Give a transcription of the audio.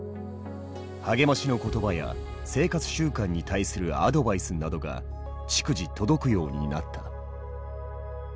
励ましの言葉や生活習慣に対するアドバイスなどが逐次届くようになった。